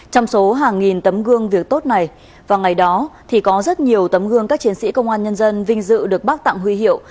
trong số hàng nghìn tấm gương việc tốt này và ngày đó thì có rất nhiều tấm gương các chiến sĩ công an nhân dân vinh dự được bác tặng huy hiệu